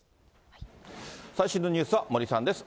最新のニュースは森さんです。